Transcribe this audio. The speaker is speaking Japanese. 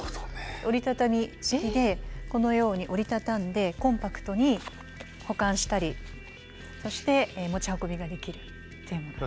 折り畳み式でこのように折り畳んでコンパクトに保管したりそして持ち運びができるというものです。